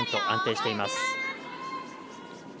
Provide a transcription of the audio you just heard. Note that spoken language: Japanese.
安定しています。